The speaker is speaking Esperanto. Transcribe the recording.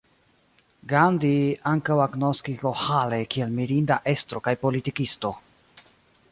Gandhi ankaŭ agnoskis Goĥale kiel mirinda estro kaj politikisto.